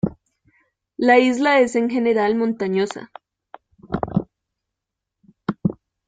La isla es en general montañosa.